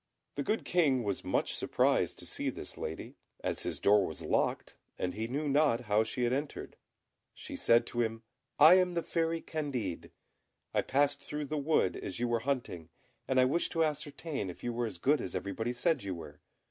The good King was much surprised to see this lady, as his door was locked, and he knew not how she had entered. She said to him, "I am the Fairy Candid; I passed through the wood as you were hunting, and I wished to ascertain if you were as good as everybody said you were.